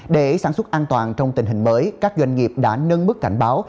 để sản xuất an toàn trong tình hình mới các doanh nghiệp đã nâng bức cảnh báo